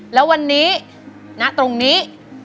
แล้ววันนี้ณตรงนี้